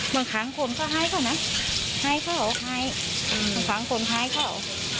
เมื่อค้างคนเขาหายเขาน่ะหายเขาหายอืมเมื่อค้างคนหายเขา